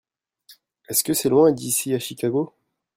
Est-ce que c'est loin d'ici à Chicago ?